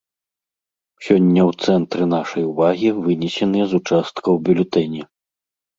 Сёння ў цэнтры нашай увагі вынесеныя з участкаў бюлетэні.